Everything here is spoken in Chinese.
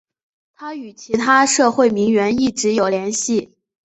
她和其他社交名媛一直有联系。